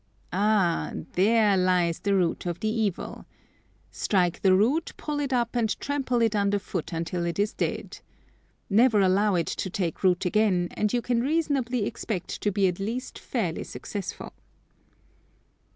Ah! there lies the root of the evil. Strike the root, pull it up and trample it under foot until it is dead. Never allow it to take root again, and you can reasonably expect to be at least fairly successful.